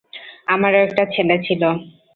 আমারও একটা ছেলে ছিল।